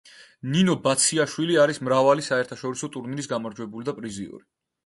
ნინო ბაციაშვილი არის მრავალი საერთაშორისო ტურნირის გამარჯვებული და პრიზიორი.